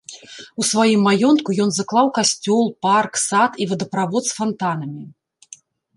У сваім маёнтку ён заклаў касцёл, парк, сад і водаправод з фантанамі.